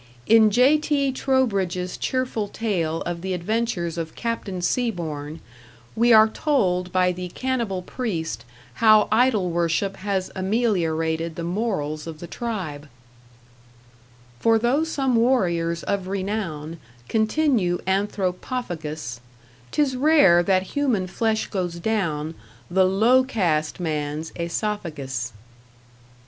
In J.T. Trowbridge's cheerful tale of the adventures of Captain Seaborn, we are told by the cannibal priest how idol worship has ameliorated the morals of the tribe For though some warriors of renown Continue anthropophagous, 'Tis rare that human flesh goes down The low caste man's aesophagus!